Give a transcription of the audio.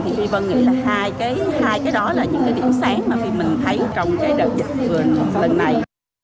thì phi vân nghĩ là hai cái đó là những cái điểm sáng mà phi vân thấy trong cái đợt dịch vừa lần này